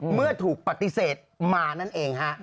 เมื่อถูกปฏิเสธมานั่นเองฮะ